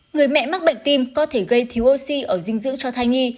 người mẹ mắc bệnh tim có thể gây thiếu oxy ở dinh dưỡng cho thai nhi